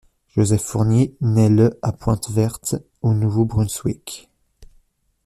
Joseph Fournier naît le à Pointe-Verte, au Nouveau-Brunswick.